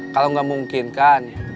kalau gak mungkin kan